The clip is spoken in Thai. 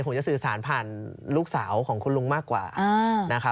ผมจะสื่อสารผ่านลูกสาวของคุณลุงมากกว่านะครับ